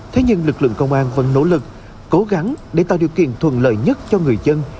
thế nhưng lực lượng công an vẫn nỗ lực cố gắng để tạo điều kiện thuận lợi nhất cho người dân